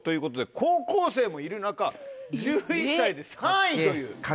高校生もいる中１１歳で３位という。